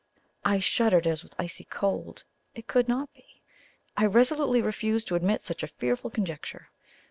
I shuddered as with icy cold. It could not be. I resolutely refused to admit such a fearful conjecture.